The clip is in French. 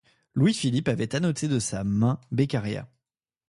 Louis-Philippe avait annoté de sa main Beccaria.